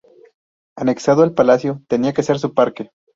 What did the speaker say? Anexado al palacio, tenía que ser su parque.